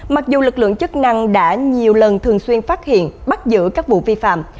mặc dù lực lượng chức năng đã nhiều lần thường xuyên phát hiện bắt giữ các vụ vi phạm